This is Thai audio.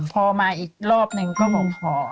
พอมาอีกรอบหนึ่งก็บอกพอ